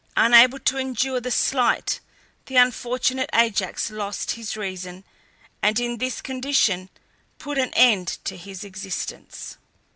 Unable to endure the slight, the unfortunate Ajax lost his reason, and in this condition put an end to his existence.